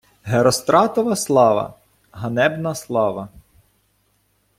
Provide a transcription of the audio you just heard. Геростратова слава — ганебна слава